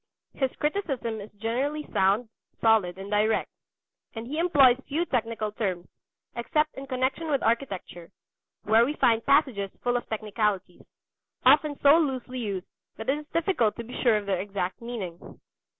His criticism is generally sound, solid, and direct; and he employs few technical terms, except in connection with architecture, where we find passages full of technicalities, often so loosely used that it is difficult to be sure of their exact meaning.